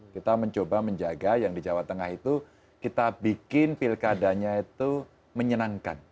kita mencoba menjaga yang di jawa tengah itu kita bikin pilkadanya itu menyenangkan